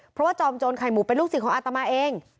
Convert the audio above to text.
เพราะว่าจอมโจรไข่หมูเป็นลูกศิษย์อาตมาเอง